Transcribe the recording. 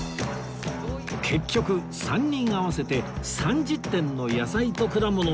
結局３人合わせて３０点の野菜と果物を爆買い！